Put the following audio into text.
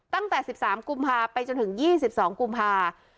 ตั้งแต่๑๓กุมภาไปจนถึง๒๒กุมภา